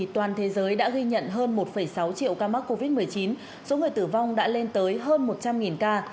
toàn thế giới đã ghi nhận hơn một sáu triệu ca mắc covid một mươi chín số người tử vong đã lên tới hơn một trăm linh ca